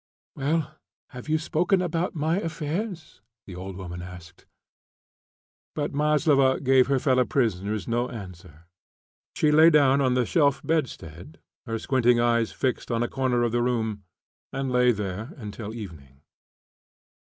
"Well, have you spoken about my affairs?" the old woman asked. But Maslova gave her fellow prisoners no answer; she lay down on the shelf bedstead, her squinting eyes fixed on a corner of the room, and lay there until the evening.